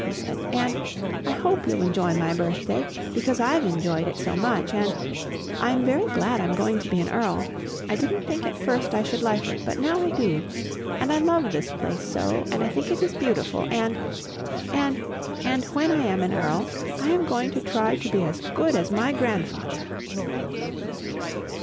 he said, "and I hope you'll enjoy my birthday because I've enjoyed it so much and I'm very glad I'm going to be an earl; I didn't think at first I should like it, but now I do and I love this place so, and I think it is beautiful and and and when I am an earl, I am going to try to be as good as my grandfather."